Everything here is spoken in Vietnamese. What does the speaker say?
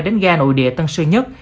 đến ga nội địa tân sư nhất